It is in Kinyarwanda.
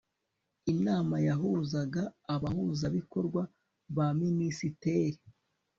inama yahuzaga abahuzabikorwa ba minisiteri